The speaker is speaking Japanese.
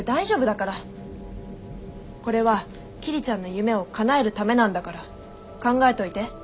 これは桐ちゃんの夢をかなえるためなんだから考えといて。